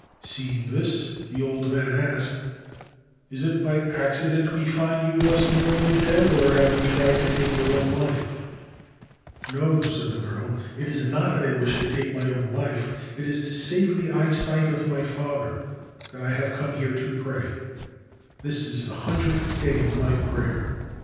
Seeing this, the old man asked : 4 Is it by accident we find you thus nearly dead, or have you tried to take your own life ?'' No/ said the girl :* it is not that I wish to take my own life. It is to save the eyesight of my father that I have come here to pray ; this is the hundredth day of my prayer.